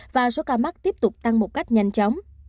và số ca mắc tiếp tục tăng một cách nhanh chóng